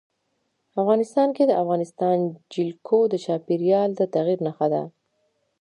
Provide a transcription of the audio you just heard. افغانستان کې د افغانستان جلکو د چاپېریال د تغیر نښه ده.